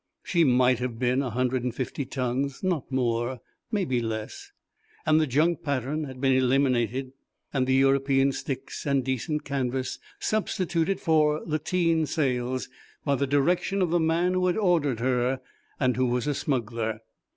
She might have been a hundred and fifty tons, not more, maybe less, and the junk pattern had been eliminated and European sticks and decent canvas substituted for lateen sails by the direction of the man who ordered her and who was a smuggler.